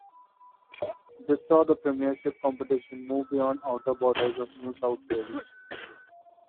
This saw the premiership competition move beyond the outer borders of New South Wales.